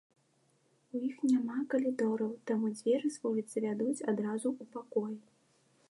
У іх няма калідораў, таму дзверы з вуліцы вядуць адразу ў пакой.